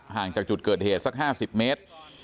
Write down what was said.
ห่างจากจุดเกิดเหตุสัก๕๐เมตร